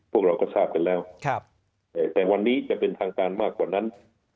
พวกเราก็ทราบกันแล้วแต่วันนี้จะเป็นทางการมากกว่านั้น